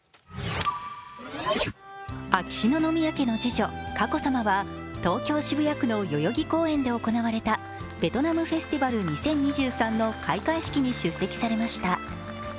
秋篠宮家の次女・佳子さまは東京・渋谷区の代々木公園で行われたベトナムフェスティバル２０２３の開会式に出席されました。